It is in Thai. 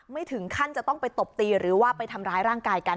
ถึงขั้นจะต้องไปตบตีหรือว่าไปทำร้ายร่างกายกัน